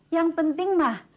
yang penting mah